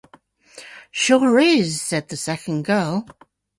"Sure is," said the second girl.